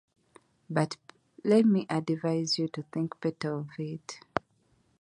But let me advise you to think better of it.